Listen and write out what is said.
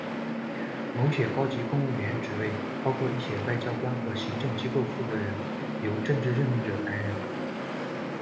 某些高级公务员职位，包括一些外交官和行政机构负责人，由政治任命者担任。